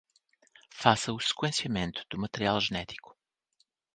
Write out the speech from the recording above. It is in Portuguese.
Faça o sequenciamento do material genético